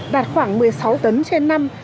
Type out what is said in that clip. đạt khoảng một mươi sáu tấn trên năm